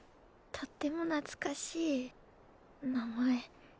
とっても懐かしい名前。